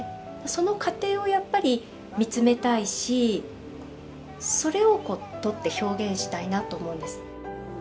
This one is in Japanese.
その過程をやっぱりみつめたいしそれを撮って表現したいなと思うんです。